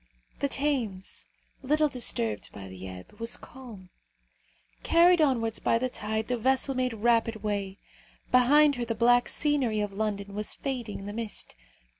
The Thames, little disturbed by the ebb, was calm. Carried onwards by the tide, the vessel made rapid way. Behind her the black scenery of London was fading in the mist.